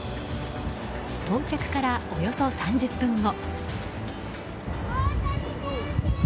到着からおよそ３０分後。